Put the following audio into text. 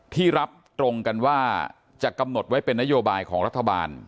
ที่รับตรงกันว่าจะกำหนดไว้เป็นนโยบายของรัฐบาล